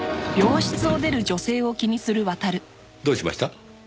どうしました？